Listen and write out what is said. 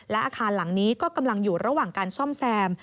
และอาคารหลังนี้ก็กำลังอยู่ระหว่างการซ่อมแซม